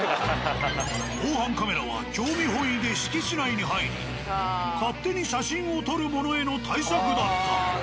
防犯カメラは興味本位で敷地内に入り勝手に写真を撮る者への対策だった。